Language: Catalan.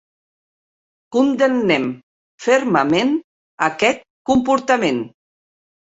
Condemnem fermament aquest comportament.